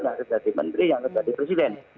yang menjadi menteri yang menjadi presiden